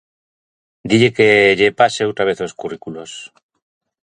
"Dille que lle pase outra vez os currículos".